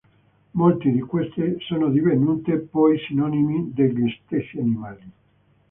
Molti di queste sono divenute poi sinonimi degli stessi animali.